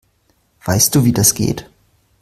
Weißt du, wie das geht?